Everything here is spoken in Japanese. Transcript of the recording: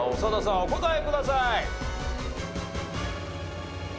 お答えください。